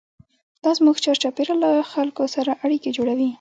دا زموږ چارچاپېره له خلکو سره اړیکې جوړوي.